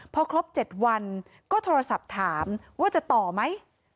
พอครบ๗วันก็โทรศัพท์ถามว่าจะต่อไหม